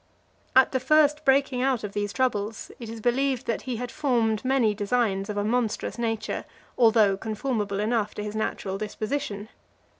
XLIII. At the first breaking out of these troubles, it is believed that he had formed many designs of a monstrous nature, although conformable enough to his natural disposition.